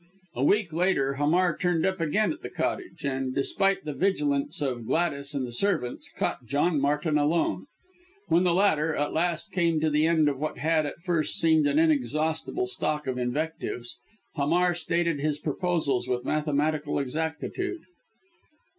A week later, Hamar turned up again at the Cottage, and, despite the vigilance of Gladys and the servants, caught John Martin alone. When the latter, at last, came to the end of what had, at first, seemed an inexhaustible stock of invectives, Hamar stated his proposals with mathematical exactitude.